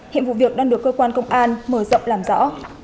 hiện vụ việc đang được cơ quan công an mở rộng làm rõ